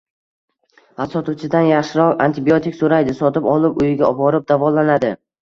va sotuvchidan «yaxshiroq» antibiotik so‘raydi, sotib olib uyiga borib «davolanadi».